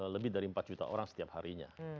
lebih dari empat juta orang setiap harinya